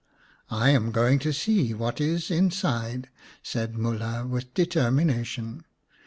" I am going to see what is inside," said Mulha with determination.